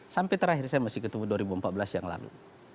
sampai terakhir saya masih ketemu dua ribu empat belas yang lalu